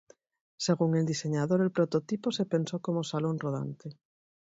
Según el diseñador el prototipo se pensó como salón rodante.